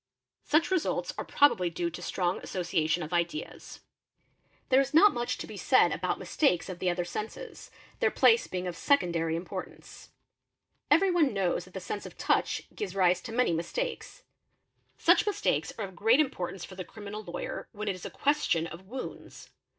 Such results are probably due to strong association of ideas. Ps 70 EXAMINATION OF WITNESSES \| There is not much to be said about mistakes of the other senses, their — place being of secondary importance. Everyone knows that the sense of touch gives rise to many mistakes ; such mistakes are of great import ance for the criminal lawyer when it is a question of wounds.